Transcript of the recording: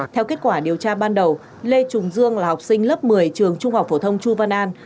theo kết quả điều tra ban đầu lê trùng dương là học sinh lớp một mươi trường trung học phổ thông chu văn an